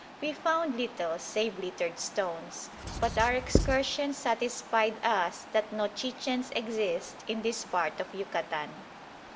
We found little save littered stones, but our excursions satisfied us that no Chichens exist in this part of Yucatan.